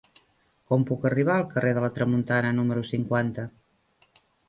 Com puc arribar al carrer de la Tramuntana número cinquanta?